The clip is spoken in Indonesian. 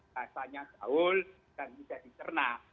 rasanya gaul dan tidak dicerna